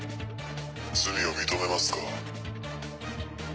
罪を認めますか？